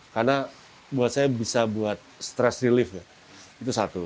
karena buat saya bisa buat stress relief itu satu